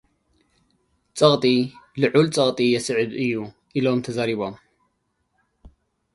ጸቕጢ፡ ልዑል ጸቕጢ የስዕብ'ዩ ኢሎም ተዛሪቦም።